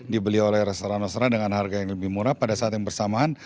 dibeli oleh restoran restoran dengan harga yang lebih murah pada saat yang bersamaan